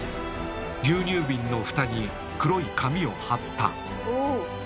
牛乳瓶のフタに黒い紙を貼った。